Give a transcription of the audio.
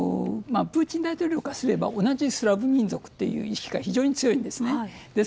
プーチン大統領からすれば同じスラブ民族という意識が非常に強いんですね。